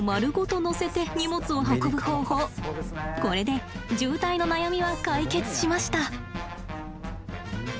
これで渋滞の悩みは解決しました。